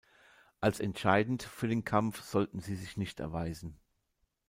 Als entscheidend für den Kampf sollten sie sich nicht erweisen.